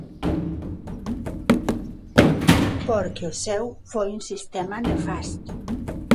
Porque o seu foi un sistema nefasto.